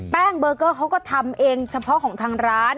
เบอร์เกอร์เขาก็ทำเองเฉพาะของทางร้าน